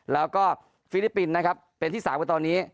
แล้วก็ฟิลิปปินส์นะครับเป็นที่๓กันตอนนี้